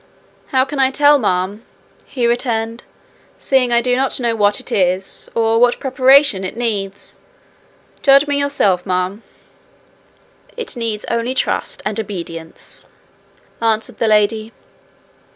'How can I tell, ma'am,' he returned, 'seeing I do not know what it is, or what preparation it needs? Judge me yourself, ma'am.' 'It needs only trust and obedience,' answered the lady.